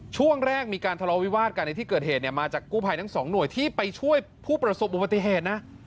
ช่วงแรกมีการทะเลาวิวาสกันในที่เกิดเหตุเนี่ยมาจากกู้ภัยทั้งสองหน่วยที่ไปช่วยผู้ประสบอุบัติเหตุนะ